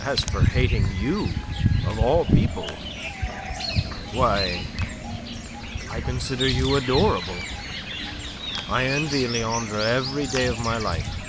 "As for hating you, of all people! Why... I consider you adorable. I envy Leandre every day of my life.